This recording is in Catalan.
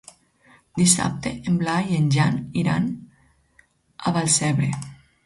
Dissabte en Blai i en Jan iran a Vallcebre.